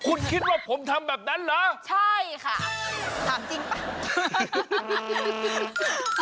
คุณคิดว่าผมทำแบบนั้นเหรอใช่ค่ะถามจริงป่ะ